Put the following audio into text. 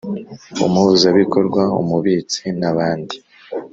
Umuhuzabikorwa ,umubitsi n,abandi